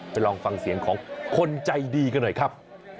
ลองฟังเสียงของคนใจดีกันหน่อยครับ